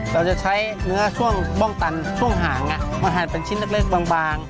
เราจะใช้เนื้อช่วงบ้องตันช่วงหางมาหั่นเป็นชิ้นเล็กบาง